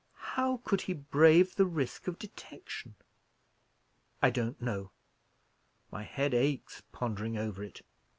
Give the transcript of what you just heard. "How could he brave the risk of detection?" "I don't know. My head aches, pondering over it.